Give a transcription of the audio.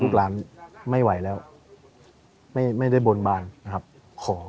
ลูกหลานไม่ไหวแล้วไม่ได้บนบานนะครับขอ